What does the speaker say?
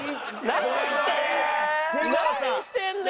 何してんの？